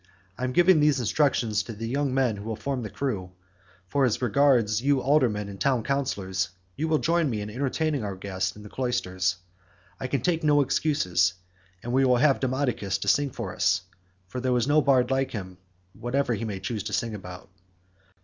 I am giving these instructions to the young men who will form the crew, for as regards you aldermen and town councillors, you will join me in entertaining our guest in the cloisters. I can take no excuses, and we will have Demodocus to sing to us; for there is no bard like him whatever he may choose to sing about."